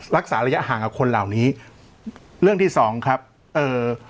รักษาระยะห่างกับคนเหล่านี้เรื่องที่สองครับเอ่อ